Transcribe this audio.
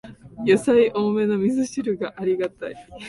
やさい多めのみそ汁がありがたい